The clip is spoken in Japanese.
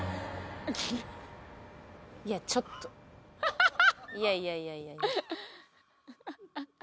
「いやちょっといやいやいやいや」